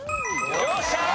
よっしゃー！